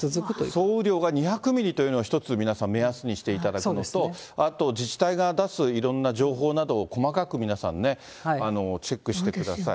総雨量が２００ミリというのは、一つ皆さん、目安にしていただくのと、あと自治体が出すいろんな情報などを細かく皆さんね、チェックしてください。